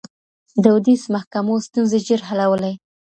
دودیزو محکمو ستونزي ژر حلولې.